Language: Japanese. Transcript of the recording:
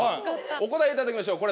お答えいただきましょう